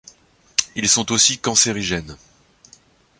Ils sont aussi cancérigènes.